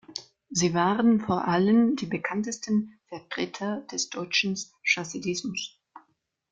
Sie waren vor allem die bekanntesten Vertreter des deutschen Chassidismus.